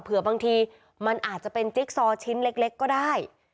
บางทีมันอาจจะเป็นจิ๊กซอชิ้นเล็กก็ได้